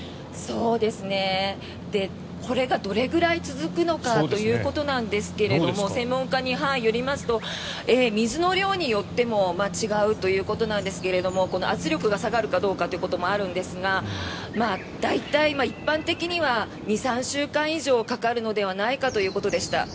これがどれくらい続くのかということですが専門家によりますと水の量によっても違うということなんですが圧力が下がるかどうかということもあるんですが大体一般的には２３週間以上かかるのではないかということでした。